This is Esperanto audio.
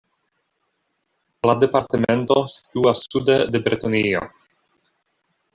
La departemento situas sude de Bretonio.